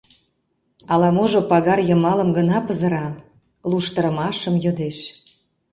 Ала-можо пагар йымалым гына пызыра, луштарымашым йодеш.